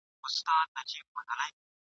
د دنیا له هر قدرت سره په جنګ یو !.